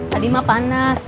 tadi mah panas